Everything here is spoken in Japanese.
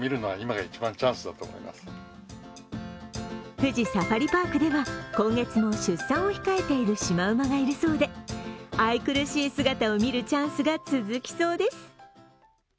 富士サファリパークでは今月も出産を控えているしまうまがいるそうで、愛くるしい姿を見るチャンスが続きそうです。